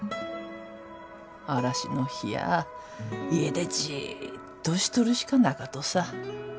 嵐の日や家でじっとしとるしかなかとさ。